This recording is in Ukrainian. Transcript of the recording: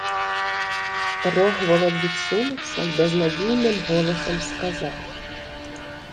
Рогволод відсунувся й безнадійним голосом сказав: